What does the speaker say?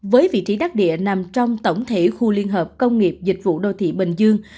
với vị trí đắc địa nằm trong tổng thể khu liên hợp công nghiệp dịch vụ đô thị bình dương